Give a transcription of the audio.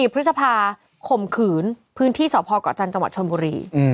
พฤษภาข่มขืนพื้นที่สพเกาะจันทร์จังหวัดชนบุรี